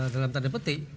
dalam tanda petik